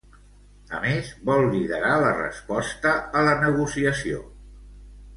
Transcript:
A més, vol liderar la resposta a la negociació.